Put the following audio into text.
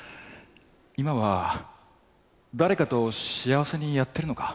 今は誰かと幸せにやってるのか？